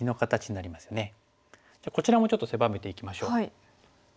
じゃあこちらもちょっと狭めていきましょう。